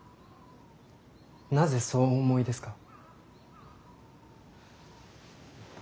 なぜそうお思いですか。